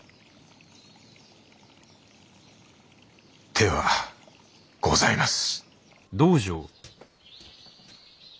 手はございます。